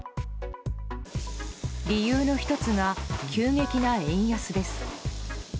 理由の１つが急激な円安です。